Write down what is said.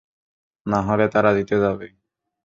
নাহলে, তারা জিতে যাবে।